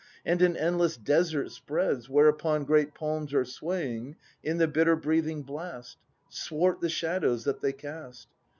And an endless desert spreads, Whereupon great palms are swaying In the bitter breathing blast. Swart the shadows that they cast.